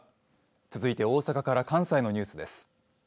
続いて大阪から関西のニュースです。